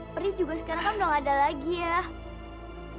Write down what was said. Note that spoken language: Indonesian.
peri juga sekarang kan udah gak ada lagi ya